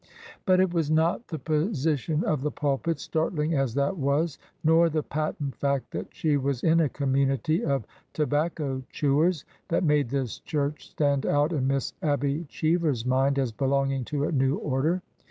But it was not the position of the pulpit, startling as that was, nor the patent fact that she was in a community of tobacco chewers, that made this church stand out in Miss Abby Cheever's mind as belonging to a new order.